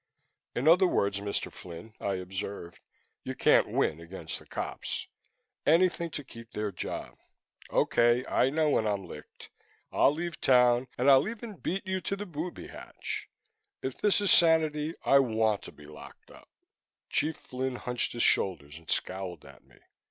"In other words, Mr. Flynn," I observed, "You can't win against the Cops. Anything to keep their job. Okay, I know when I'm licked. I'll leave town and I'll even beat you to the booby hatch. If this is sanity, I want to be locked up." Chief Flynn hunched his shoulders and scowled at me.